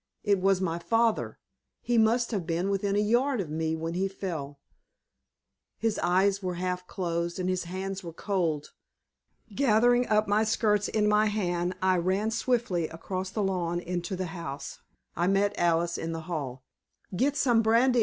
It was my father. He must have been within a yard of me when he fell. His eyes were half closed, and his hands were cold. Gathering up my skirts in my hand, I ran swiftly across the lawn into the house. I met Alice in the hall. "Get some brandy!"